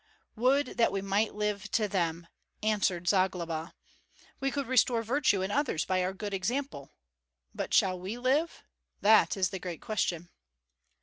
"Would that we might live to them!" answered Zagloba; "we could restore virtue in others by our good example. But shall we live? That is the great question."